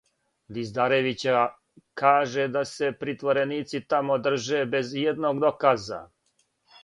Диздаревићева каже да се притвореници тамо држе без иједног доказа.